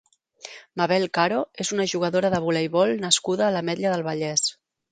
Mabel Caro és una jugadora de voleivol nascuda a l'Ametlla del Vallès.